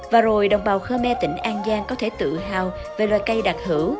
và rồi đồng bào khmer tỉnh an giang có thể tự hào về loài cây đặc hữu